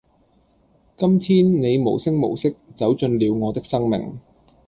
今天你無聲無息走進了我的生命